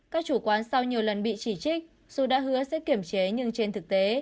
các chủ quán sau nhiều lần bị chỉ trích dù đã hứa sẽ kiểm chế nhưng trên thực tế